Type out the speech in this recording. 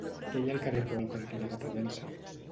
Què hi ha al carrer Pou cantonada Provença?